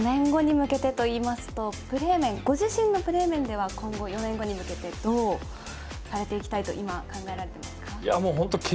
４年後に向けてとなるとご自身のプレー面では今後、４年後に向けてどうされていきたいと考えられていますか。